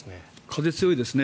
風強いですね。